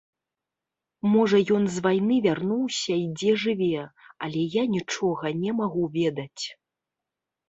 Можа, ён з вайны вярнуўся і дзе жыве, але я нічога не магу ведаць.